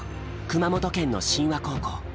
熊本県の真和高校。